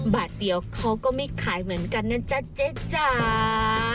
บาทเดียวเขาก็ไม่ขายเหมือนกันนะจ๊ะเจ๊จ๋า